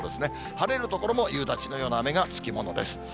晴れる所も、夕立のような雨がつきものです。